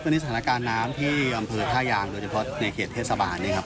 ตอนนี้สถานการณ์น้ำที่อำเภอท่ายางโดยเฉพาะในเขตเทศบาลเนี่ยครับ